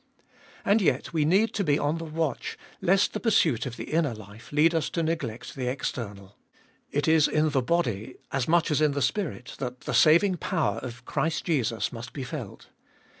And yet we need to be on the watch lest the pursuit of the inner life lead us to neglect the external. It is in the body, as much as in the spirit, that the saving power of Christ Jesus must be felt.